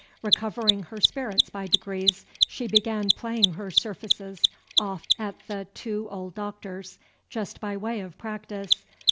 Recovering her spirits by degrees, she began playing her surfaces off at the two old Doctors, just by way of practice.